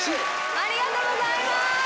ありがとうございます！